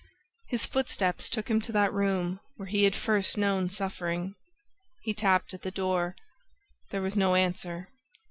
His footsteps took him to that room where he had first known suffering. He tapped at the door. There was no answer.